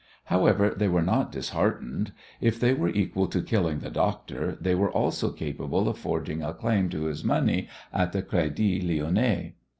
However, they were not disheartened. If they were equal to killing the doctor they were also capable of forging a claim to his money at the Crédit Lyonnais.